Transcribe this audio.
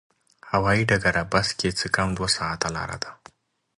هوایي ډګره بس کې څه کم دوه ساعته لاره ده.